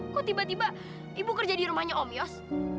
kok tiba tiba ibu kerja di rumahnya om yos